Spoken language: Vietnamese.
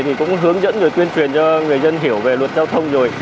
thì cũng hướng dẫn rồi tuyên truyền cho người dân hiểu về luật giao thông rồi